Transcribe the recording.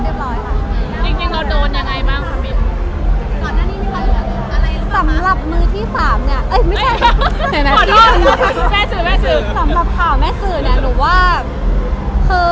เกราะส่วนสำหรับข่าวแม่สื่อเนี่ย